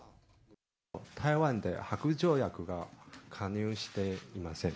台湾ではハーグ条約に加入していません。